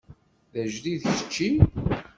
D ajdid kečči?